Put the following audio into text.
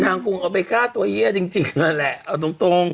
คงเอาไปกล้าตัวเยี่ยจริงนั่นแหละเอาตรง